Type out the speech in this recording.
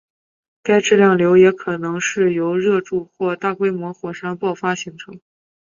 该质量瘤也可能是由热柱或大规模火山爆发形成。